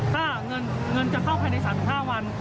ถ้าเงินจะเข้าภายใน๓๕วัน